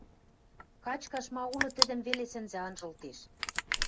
Качкаш ма улы, тӹдӹм веле сӹнзӓ анжылтеш.